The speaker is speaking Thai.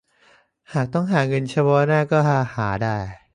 หากต้องหาเงินเฉพาะหน้าก็จะหาได้